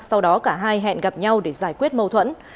sau đó cả hai hẹn gặp nhau để giải quyết mâu thuẫn